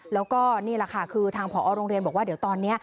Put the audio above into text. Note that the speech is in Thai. แล้วก็นี่แหละค่ะคือทางผอโรงเรียนบอกว่าเดี๋ยวตอนนี้